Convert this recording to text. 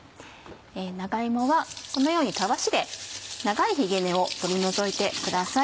長芋はこのようにタワシで長いひげ根を取り除いてください。